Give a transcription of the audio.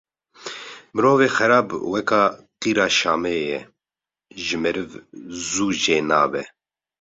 Mirovê xerab weka qîra Şamê ye ji meriv zû jê nabe